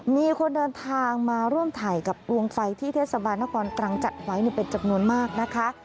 มีคนเดินทางมาร่วมถ่ายกับดวงไฟที่เทศบาลนครตรังจัดไว้เป็นจำนวนมากนะคะ